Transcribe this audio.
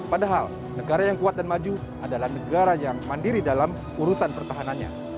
padahal negara yang kuat dan maju adalah negara yang mandiri dalam urusan pertahanannya